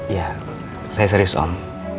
ya saya serius om